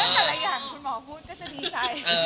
แต่ละอย่างคุณหมอพูดก็จะดีใจ